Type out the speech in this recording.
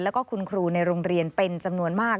แล้วก็คุณครูในโรงเรียนเป็นจำนวนมาก